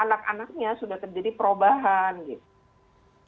anak anaknya sudah terjadi perubahan gitu